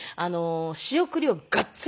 仕送りをガッツリ。